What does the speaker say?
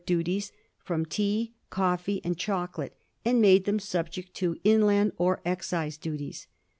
duties from tea, coffee, and chocolate, and made them subject to inland or excise duties.